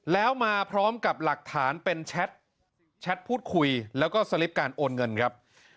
แล้วมาพร้อมกับหลักฐานเป็นแชทพูดคุยแล้วก็สลิปการโอนเงินครับ